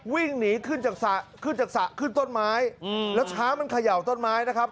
วิ่งหนีขึ้นจากสระขึ้นจากสระขึ้นต้นไม้แล้วช้างมันเขย่าต้นไม้นะครับ